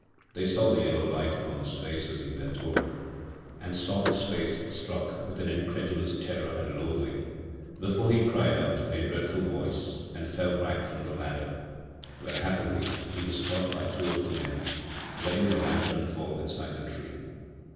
They saw the yellow light upon his face as he bent over, and saw his face struck with an incredulous terror and loathing before he cried out in a dreadful voice and fell back from the ladder â€" where, happily, he was caught by two of the men â€" letting the lantern fall inside the tree.